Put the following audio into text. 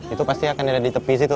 itu pasti akan ada di tepi situ